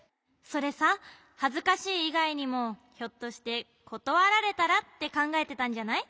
それさはずかしいいがいにもひょっとして「ことわられたら」ってかんがえてたんじゃない？